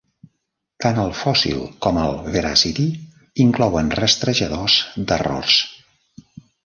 Tant el Fossil com el Veracity inclouen rastrejadors d'errors.